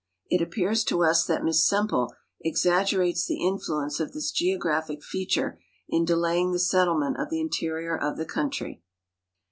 It appears to us that Miss Semple exaggerates the influence of this geographic feature in delaying the settlement of the interior of the country.